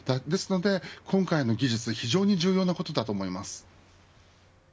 今回の技術、非常に重要なことだと思います。